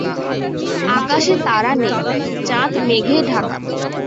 আকাশে তারা নেই, চাঁদ মেঘে ঢাকা।